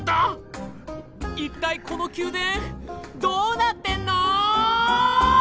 一体この宮殿どうなってんの！